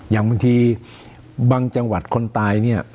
อย่างบางทีบางจังหวัดคนตายเนี่ย